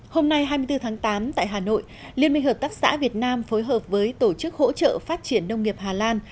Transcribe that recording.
hôm nay hai mươi bốn tháng tám tại hà nội liên minh hợp tác xã việt nam phối hợp với tổ chức hỗ trợ phát triển nông nghiệp hà lan